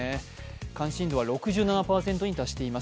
関心度は６７％に達しています。